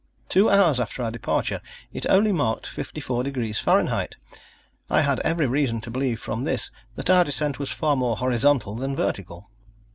Two hours after our departure it only marked fifty four degrees Fahrenheit. I had every reason to believe from this that our descent was far more horizontal than vertical.